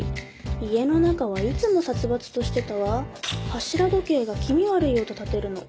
家の中はいつも殺伐としてたわ柱時計が気味悪い音たてるの